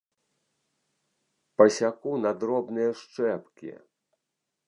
Пасяку на дробныя шчэпкі!